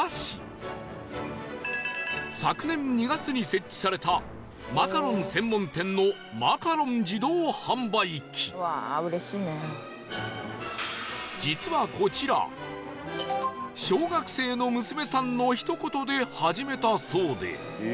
昨年２月に設置されたマカロン専門店の実はこちら小学生の娘さんのひと言で始めたそうで